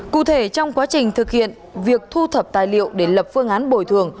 cụ thể trong quá trình thực hiện việc thu thập tài liệu để lập phương án bồi thường